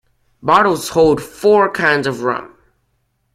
Bottles hold four kinds of rum.